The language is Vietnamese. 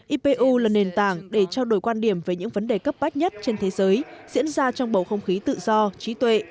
ipu là nền tảng để trao đổi quan điểm về những vấn đề cấp bách nhất trên thế giới diễn ra trong bầu không khí tự do trí tuệ